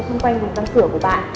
xung quanh vùng căn cửa của bạn